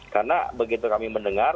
karena begitu kami mendengar